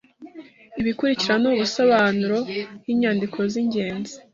Ibikurikira nubusobanuro yinyandiko zingenzi